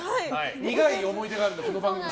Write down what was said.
苦い思い出があるからこの番組。